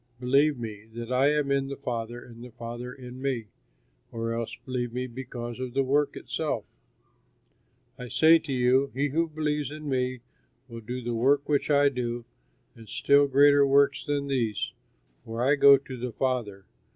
Believe me, that I am in the Father and the Father in me, or else believe me because of the work itself. I say to you, he who believes in me will do the work which I do and still greater works than these, for I go to the Father.